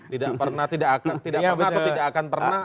tidak pernah atau tidak akan pernah